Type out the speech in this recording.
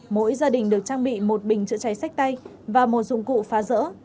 mỗi gia đình được trang bị một bình chữa cháy sách tay và một dụng cụ phá rỡ